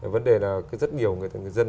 vấn đề là rất nhiều người dân